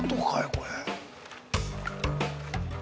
これ。